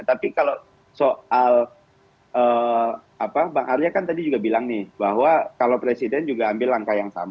tapi kalau soal bang arya kan tadi juga bilang nih bahwa kalau presiden juga ambil langkah yang sama